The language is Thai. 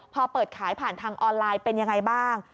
พอเปิดขายผ่านทางออนไลน์เป็นยังไงบ้าง